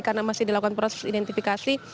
karena masih dilakukan proses identifikasi